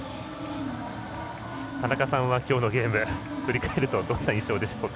田中さんはきょうのゲーム振り返るとどういう印象でしょうか。